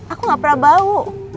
aku ga pernah bau